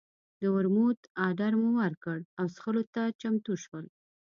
د ورموت اډر مو ورکړ او څښلو ته چمتو شول.